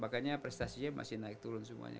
makanya prestasinya masih naik turun semuanya